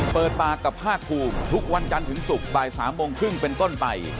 เปิดปากกับภาคภูมิทุกวันจันทร์ถึงศุกร์บ่าย๓โมงครึ่งเป็นต้นไป